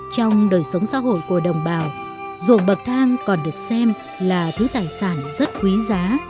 trong đời sống xã hội của đồng bào ruộng bậc thang còn được xem là thứ tài sản rất quý giá